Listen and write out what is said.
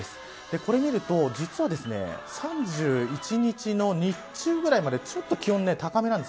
これを見ると、実は３１日の日中ぐらいまでちょっと気温は高めなんです。